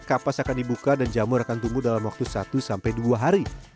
kapas akan dibuka dan jamur akan tumbuh dalam waktu satu sampai dua hari